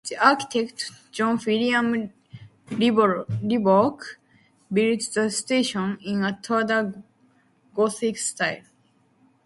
The architect, John William Livock, built the station in a Tudor Gothic style.